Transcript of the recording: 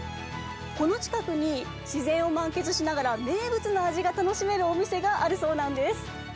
この近くに、自然を満喫しながら名物の味が楽しめるお店があるそうなんです。